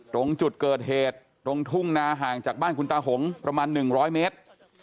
ตรงจุดเกิดเหตุตรงทุ่งนาห่างจากบ้านคุณตาหงประมาณ๑๐๐เมตร